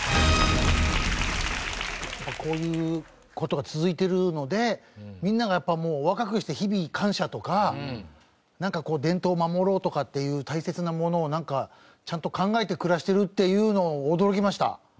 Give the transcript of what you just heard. こういう事が続いているのでみんながやっぱりもう若くして日々感謝とかなんか伝統を守ろうとかっていう大切なものをなんかちゃんと考えて暮らしてるっていうの驚きました。